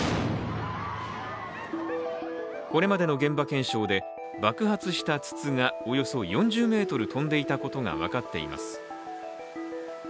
これまでの現場検証で爆発した筒がおよそ４０ｍ飛んでいたことが分かっています。